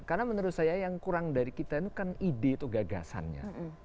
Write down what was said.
karena menurut saya yang kurang dari kita itu kan ide atau gagasannya